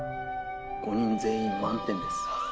５人全員満点です。